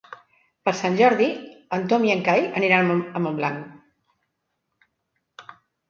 Per Sant Jordi en Tom i en Cai aniran a Montblanc.